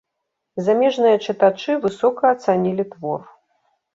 Замежныя чытачы высока ацанілі твор.